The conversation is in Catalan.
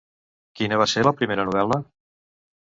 Quina va ser la seva primera novel·la?